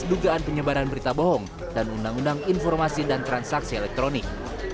dugaan penyebaran berita bohong dan undang undang informasi dan transaksi elektronik